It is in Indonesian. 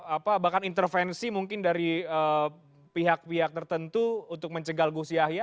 apa bahkan intervensi mungkin dari pihak pihak tertentu untuk mencegah gus yahya